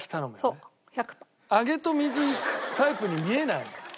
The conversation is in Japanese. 揚げと水タイプに見えない。